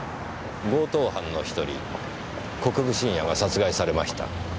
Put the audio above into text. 強盗犯の１人国分信也が殺害されました。